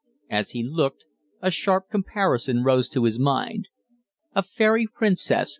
As he looked, a sharp comparison rose to his mind. "A fairy princess!"